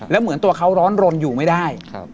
แล้วเหมือนตัวเขาร้อนรนอยู่ไม่ได้